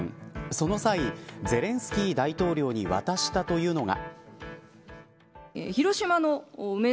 その際、ゼレンスキー大統領に渡したというのが。